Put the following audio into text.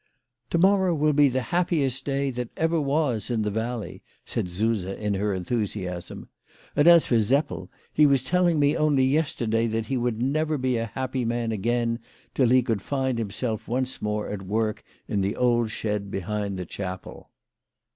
" To morrow will be the happiest day that ever was in the valley," said Suse in her enthusiasm. " And as for Seppel, he was telling me only yesterday that he would never be a happy man again till he could find himself once more at work in the old shed behind the chapel."